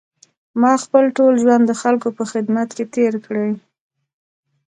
ما خپل ټول ژوند د خلکو په خدمت کې تېر کړی.